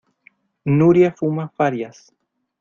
Nuria fuma farias.